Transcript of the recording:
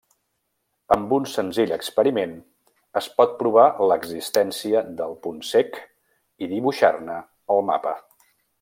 Amb un senzill experiment es pot provar l'existència del punt cec i dibuixar-ne el mapa.